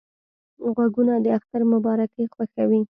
غوږونه د اختر مبارکۍ خوښوي